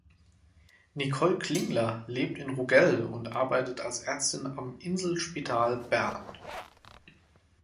Nicole Klingler lebt in Ruggell und arbeitet als Ärztin am Inselspital Bern.